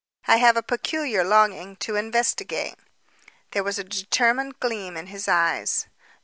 I have a peculiar longing to investigate." There was a determined gleam in his eyes.